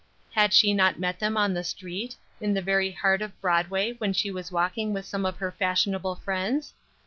Had she not met them on the street, in the very heart of Broadway when she was walking with some of her fashionable friends?